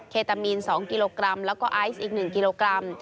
เคตามีน๒กิโลกรัมแล้วก็ไอซ์อีก๑กิโลกรัม